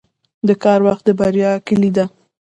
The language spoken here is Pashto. • د کار وخت د بریا کلي ده.